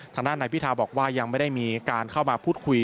ทางด้านนายพิทาบอกว่ายังไม่ได้มีการเข้ามาพูดคุย